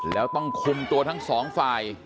แล้วต้องคุมตัวทั้งสองฝ่าย